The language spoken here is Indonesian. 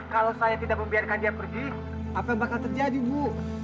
kalau saya tidak membiarkan dia pergi apa yang bakal terjadi bu